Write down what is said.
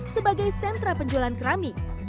sebagai sentra penjualan keramik